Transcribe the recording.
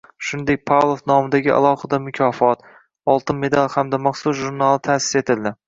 Shuningdek, Pavlov nomidagi alohida mukofot, oltin medal hamda maxsus jurnali ta’sis etildi